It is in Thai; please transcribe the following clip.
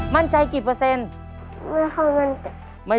มั่นใจกี่เปอร์เซ็นต์ไม่ค่อยมั่นใจ